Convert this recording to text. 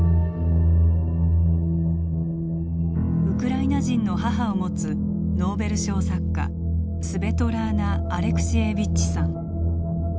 ウクライナ人の母を持つノーベル賞作家スベトラーナ・アレクシエービッチさん。